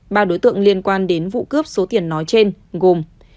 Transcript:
ba đối tượng liên quan đến vụ cướp số tiền nói trên gồm